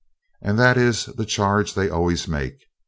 And that is the charge they always make.